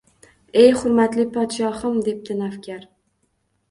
Ey, hurmatli podshohim, debdi navkar